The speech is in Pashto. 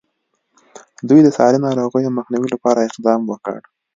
دوی د ساري ناروغیو مخنیوي لپاره اقدام وکړ.